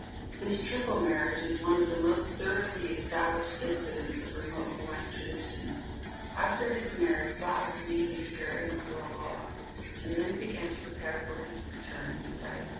This triple marriage is one of the most thoroughly established incidents of remote Hawaiian tradition. After his marriage Laa remained a year at Kualoa, and then began to prepare for his return to Raiatea.